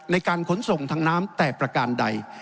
ในการขนส่งทางน้ำแต่ประการใด